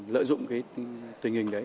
lợi dụng tình hình đấy